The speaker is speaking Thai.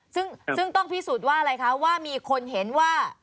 ซึ่งต้องพิสูจน์ว่าอะไรคะว่ามีคนเห็นว่า